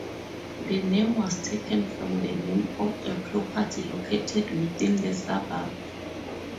The name was taken from the name of a property located within the suburb.